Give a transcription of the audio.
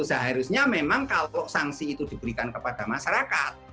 seharusnya memang kalau sanksi itu diberikan kepada masyarakat